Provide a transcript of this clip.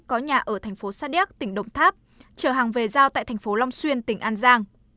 có nhà ở thành phố sa điếc tỉnh đồng tháp trở hàng về giao tại thành phố long xuyên tỉnh an giang